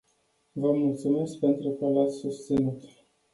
Vă mulțumesc pentru că l-ați susținut.